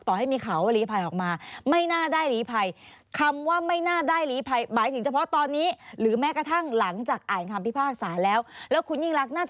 ต่อให้มีข่าวว่าลีภัยออกมาไม่น่าได้ลีภัย